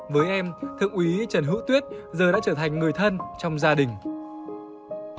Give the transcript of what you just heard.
với em thượng úy trần hữu tuyết giờ đã trở thành người thân trong gia đình